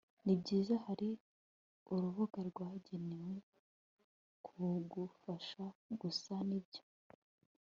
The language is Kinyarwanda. Nibyiza hari urubuga rwagenewe kugufasha gusa nibyo